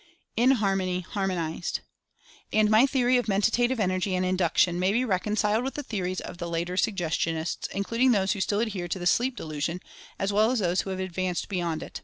INHARMONY HARMONIZED. And my theory of Mentative Energy and Induction may be reconciled with the theories of the later Sug gestionists — including those who still adhere to the "sleep" delusion, as well as those who have advanced beyond it.